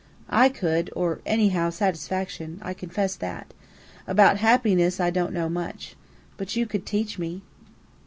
"I could, or anyhow, satisfaction: I confess that. About 'happiness,' I don't know much. But you could teach me."